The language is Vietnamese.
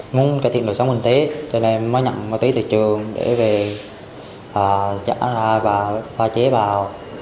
muốn cải thiện đồ sống bình tế cho nên em mới nhận ma túy từ trường để về trả ra và phá chế vào